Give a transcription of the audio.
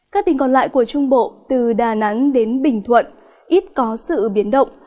các tỉnh còn lại của trung bộ từ đà nẵng đến bình thuận ít có sự biến động